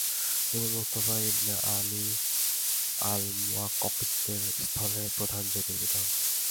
তিনি মুস্তাফা ইবনে আলী আল মুওয়াক্বক্বিতের স্থলে প্রধান জ্যোতির্বিদ হন।